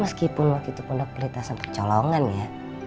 meskipun waktu itu kondak pelita sampai colongan ya